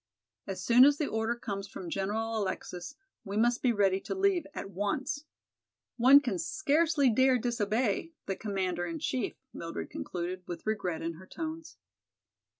As soon as the order comes from General Alexis we must be ready to leave at once. One can scarcely dare disobey the commander in chief," Mildred concluded, with regret in her tones.